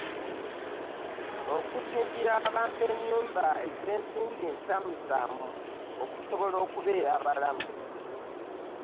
Okuzimbira abantu ennyumba ez'ensimbi ensaamusaamu okusobola okubeera abalamu